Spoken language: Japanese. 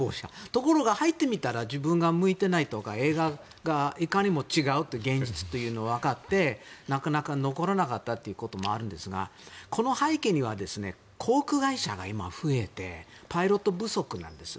ところが入ってみたら自分が向いていないとか映画がいかにも違うっていう現実というのがわかってなかなか残らなかったということもあるんですがこの背景には航空会社が今増えてパイロット不足なんです。